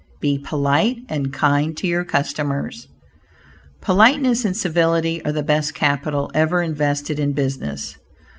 BE POLITE AND KIND TO YOUR CUSTOMERS Politeness and civility are the best capital ever invested in business.